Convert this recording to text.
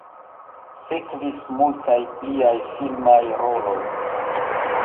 Sekvis multaj pliaj filmaj roloj.